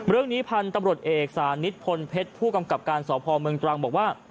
เรื่องนี้พันธุ์ตำรวจเอกสานิทพลเพชรผู้กำกับการสพเมืองตรังบอกว่า